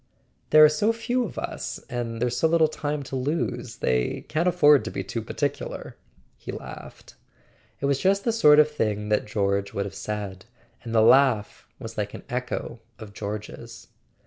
"There are so few of us, and there's so little time to lose; they can't afford to be too particular," he laughed. It was just the sort of thing that George would have said, and the laugh was like an echo of George's.